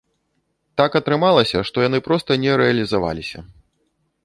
Так атрымалася, што яны проста не рэалізаваліся.